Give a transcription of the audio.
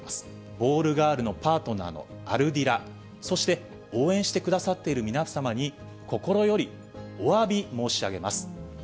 ボールガール、パートナーのアルディラ、そして応援してくださっている皆様に、心よりおわび申し上げます。